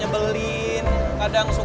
aku berharap kamu menunggu